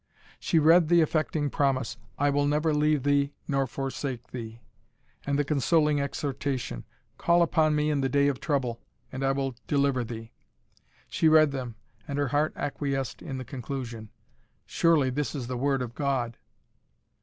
She read the affecting promise, "I will never leave thee nor forsake thee," and the consoling exhortation, "Call upon me in the day of trouble, and I will deliver thee." She read them, and her heart acquiesced in the conclusion. Surely this is the word of God!